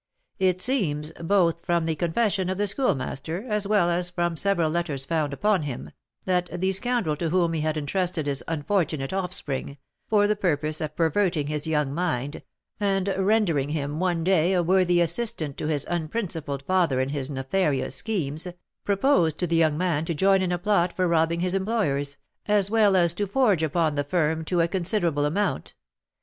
"It seems, both from the confession of the Schoolmaster as well as from several letters found upon him, that the scoundrel to whom he had entrusted his unfortunate offspring, for the purpose of perverting his young mind, and rendering him one day a worthy assistant to his unprincipled father in his nefarious schemes, proposed to the young man to join in a plot for robbing his employers, as well as to forge upon the firm to a considerable amount.